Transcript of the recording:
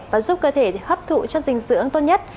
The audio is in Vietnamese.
và giúp cơ thể hấp thụ chất dinh dưỡng tốt nhất